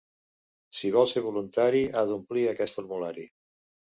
Si vol ser voluntari, ha d'omplir aquest formulari.